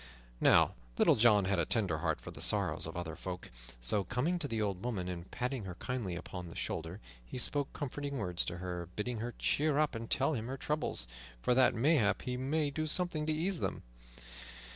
Now Little John had a tender heart for the sorrows of other folk, so, coming to the old woman and patting her kindly upon the shoulder, he spoke comforting words to her, bidding her cheer up and tell him her troubles, for that mayhap he might do something to ease them.